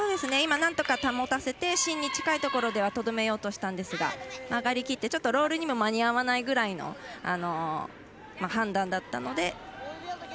なんとか保たせて芯に近いところではとどめようとしたんですが曲がりきって、ちょっとロールにも間に合わないぐらいの判断だったので。